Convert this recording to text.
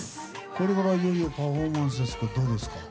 これからいよいよパフォーマンスですけどどうですか？